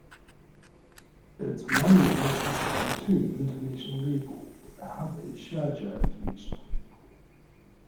Its main base is Khartoum International Airport, with a hub at Sharjah International Airport.